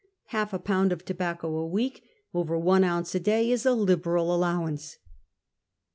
Half a pound of tobacco a week — over one ounce a day — is a liberal allowance.